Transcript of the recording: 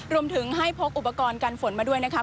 รวมถึงให้พกอุปกรณ์กันฝนมาด้วยนะคะ